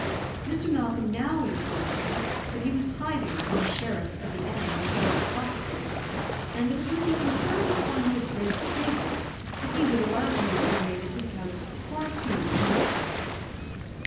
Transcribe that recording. Mr. Malcolm now informed him that he was hiding from the sheriff of the N district's officers, and that it would be conferring upon him a great favour if he would allow him to remain at his house for a few weeks.